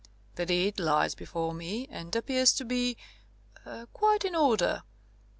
The deed lies before me, and appears to be er quite in order.